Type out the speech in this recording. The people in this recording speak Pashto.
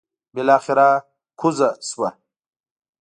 بلاخره کوزه شوه.